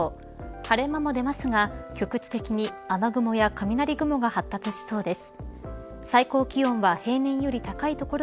晴れ間も出ますが、局地的に雨雲や雷雲が発達しそうです。